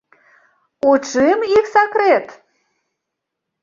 У чым іх сакрэт?